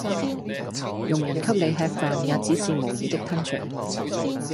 佣人給你吃飯也只是無意的吞著